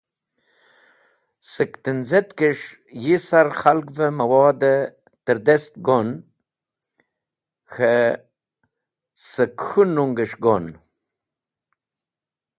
Sẽk tẽnz̃etkẽs̃h yisar k̃halgẽ mẽwodvẽ tẽrdest gon k̃hẽ sẽk k̃hũ nungẽs̃h gon.